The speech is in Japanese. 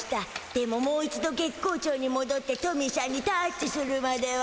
でももう一度月光町にもどってトミーしゃんにタッチするまでは。